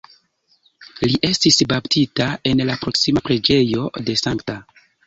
Li estis baptita en la proksima preĝejo de Sankta.